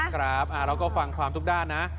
ครับเราก็ฟังความทุกด้านนะ